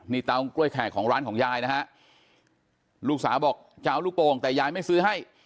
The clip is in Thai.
นี่เตากล้วยแขกของร้านของยายนะฮะลูกสาวบอกจะเอาลูกโป่งแต่ยายไม่ซื้อให้